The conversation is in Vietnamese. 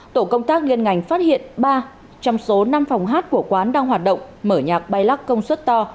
tổ công tác liên ngành phát hiện ba trong số năm phòng hát của quán đang hoạt động mở nhạc bay lắc công suất to